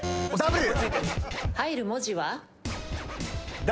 入る文字は？ｗ。